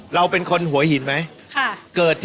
เราเป็นคนหัวหินไหม